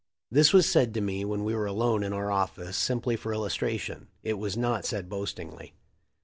This was said to me when we were alone in our office simply for illustration. It was not said boastingly.